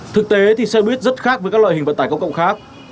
thực tế thì xe buýt rất khác với các loại hình vận tải công cộng khác